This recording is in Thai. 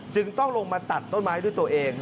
จึงต้องลงมาตัดต้นไม้ด้วยตัวเอง